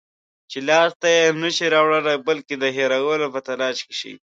چې لاس ته یې نشی راوړلای، بلکې د هېرولو په تلاش کې شئ